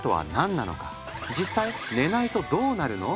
実際寝ないとどうなるの？